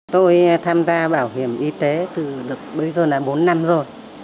tôi tham gia bảo hiểm y tế từ bây giờ là bốn năm rồi